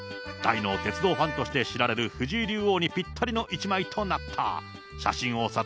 大の鉄道ファンとして知られる藤井竜王にぴったりの一枚となった。